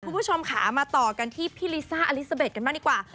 คุณผู้ชมค่ะมาต่อกันที่พี่ลิซ่าอลิซาเบสกันบ้างดีกว่า